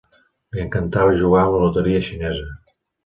Li encantava jugar a la loteria xinesa.